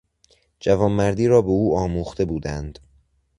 جوانمردی را به او آموخته بودند.